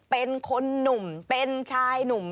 เป็นคนหนุ่มเป็นชายหนุ่ม